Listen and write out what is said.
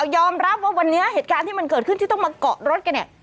ยอมรับว่าวันนี้เหตุการณ์ที่มันเกิดขึ้นที่ต้องมาเกาะรถกันเนี่ย